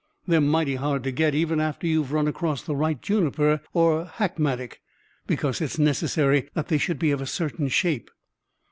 They're mighty hard to get, even after you've run across the right juniper or hackmatack, because it's necessary that they should be of a certain shape."